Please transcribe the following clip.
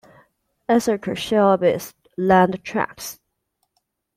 Isaac Shelby's land tracts.